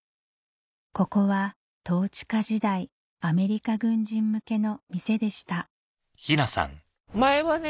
ここは統治下時代アメリカ軍人向けの店でした前はね